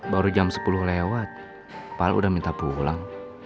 baru jam sepuluh lewat pak al udah minta pulang